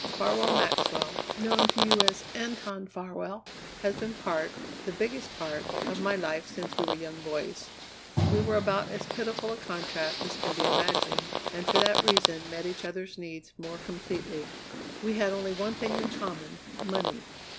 "Farwell Maxwell, known to you as Anton Farwell, has been part, the biggest part, of my life since we were young boys. We were about as pitiful a contrast as can be imagined, and for that reason met each other's needs more completely. We had only one thing in common money.